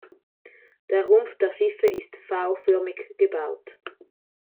Der Rumpf der Schiffe ist V-förmig gebaut.